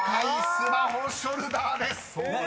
「スマホショルダー」です］